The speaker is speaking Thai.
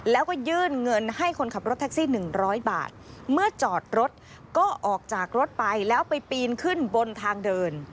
แล้วก็ยื่นเงินให้คนขับรถแท็กซี่๑๐๐บาทเมื่อจอดรถก็ออกจากรถไปแล้วไปปีนขึ้นบนทางเดิน